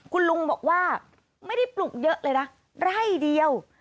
คุณลุงบอกว่าไม่ได้ปลูกเยอะเลยนะไร่เดียว